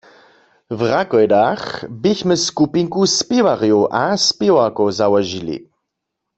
W Rakojdach běchmy skupinku spěwarjow a spěwarkow załožili.